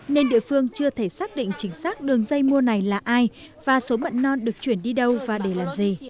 nên địa phương chưa thể xác định chính xác đường dây mua này là ai và số mận non được chuyển đi đâu và để làm gì